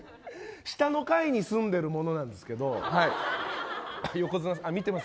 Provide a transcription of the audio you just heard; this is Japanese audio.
下の階に住んでるものなんですけど見てます。